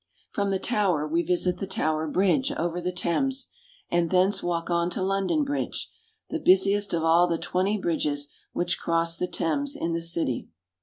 From the Tower we visit the Tower Bridge over the Thames, and thence walk on to London Bridge, the busi est of all the twenty bridges which cross the Thames in the city.